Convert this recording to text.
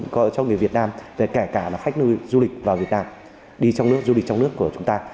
gọi cho người việt nam kẻ gà khách du lịch vào việt nam đi trong nước du lịch trong nước của chúng ta